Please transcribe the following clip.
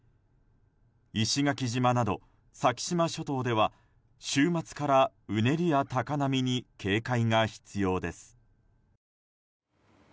石垣島など先島諸島では週末からうねりや高波に警戒が必要です。